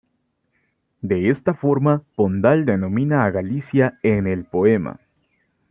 De esta la forma Pondal denomina a Galicia en el poema.